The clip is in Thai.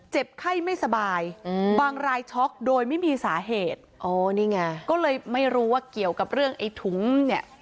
ไข้ไม่สบายบางรายช็อกโดยไม่มีสาเหตุอ๋อนี่ไงก็เลยไม่รู้ว่าเกี่ยวกับเรื่องไอ้ถุงเนี่ย